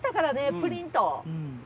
プリンと。